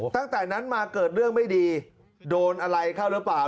ตั้งแต่นั้นมาเกิดเรื่องไม่ดีโดนอะไรเข้าหรือเปล่า